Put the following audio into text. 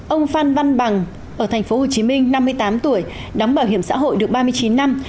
ông phan văn bằng ở tp hcm năm mươi tám tuổi đóng bảo hiểm xã hội được ba mươi chín năm